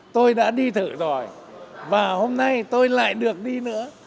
tôi đã đi thử rồi và hôm nay tôi lại được đi nữa